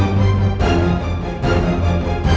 anda terbuai dengan cinta